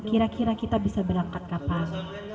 kira kira kita bisa berangkat kapan